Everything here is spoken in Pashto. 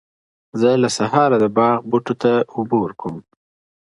زه له سهاره د باغ بوټو ته اوبه ورکوم.